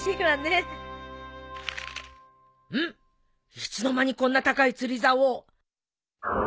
いつの間にこんな高い釣りざおを。